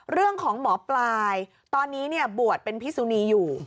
เรื่องของหมอปลายตอนนี้บวชเป็นพิสุนีอยู่